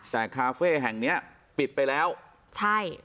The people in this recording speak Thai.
แต่คาเฟ่แห่งเนี้ยปิดไปแล้วใช่